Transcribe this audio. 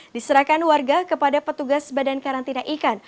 diserahkan warga kepada petugas badan karantina ikan